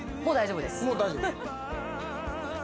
もう大丈夫です。